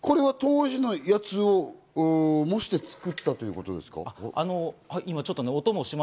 これは当時のものを模して作ったということですか？